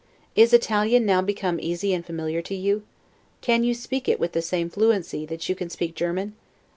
Is Italian now become easy and familiar to you? Can you speak it with the same fluency that you can speak German?